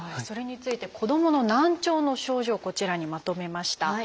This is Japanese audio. それについて子どもの難聴の症状をこちらにまとめました。